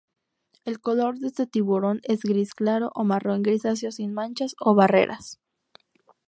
El color de este tiburón es gris claro o marrón-grisáceo sin manchas o barreras.